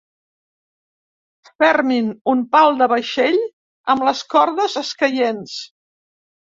Fermin un pal del vaixell amb les cordes escaients.